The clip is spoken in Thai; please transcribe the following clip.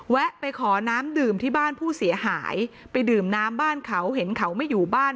ไปขอน้ำดื่มที่บ้านผู้เสียหายไปดื่มน้ำบ้านเขาเห็นเขาไม่อยู่บ้าน